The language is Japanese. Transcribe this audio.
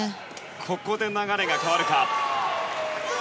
ここで流れが変わるか。